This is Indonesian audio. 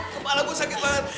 kepala gue sakit banget